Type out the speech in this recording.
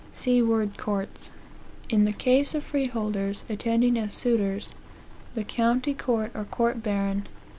See word Courts. "In the case of freeholders attending as suitors, the county court or court baron.